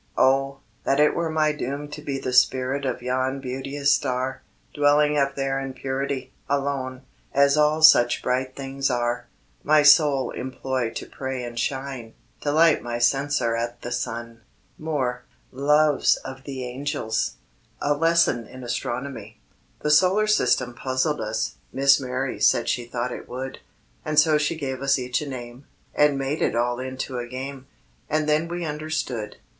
Oh! that it were my doom to be The spirit of yon beauteous star, Dwelling up there in purity, Alone, as all such bright things are; My sole employ to pray and shine, To light my censer at the sun! Moore: Loves of the Angels. A LESSON IN ASTRONOMY. The solar system puzzled us, Miss Mary said she thought it would, And so she gave us each a name, And made it all into a game, And then we understood.